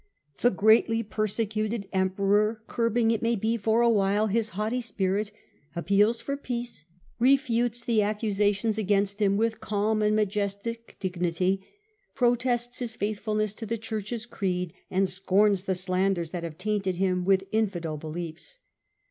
The greatly persecuted Emperor, curbing, it may be, for a while his haughty spirit, appeals for peace, refutes the accusations against him with calm and majestic dignity, protests his faithfulness to the Church's creed, and scorns the slanders that have tainted him with infidel beliefs.